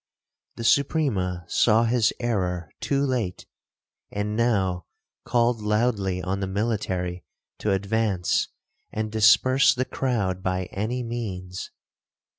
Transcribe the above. The Suprema saw his error too late, and now called loudly on the military to advance, and disperse the crowd by any means.